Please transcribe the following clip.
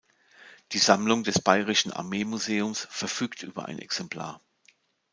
Die Sammlung des Bayerischen Armeemuseums verfügt über ein Exemplar.